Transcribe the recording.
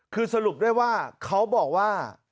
คือสรุปได้ว่าเขาบอกว่า